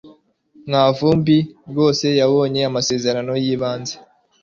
mwanvumbi rwose yabonye amasezerano yibanze